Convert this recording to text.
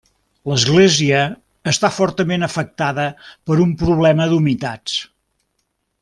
L'església està fortament afectada per un problema d'humitats.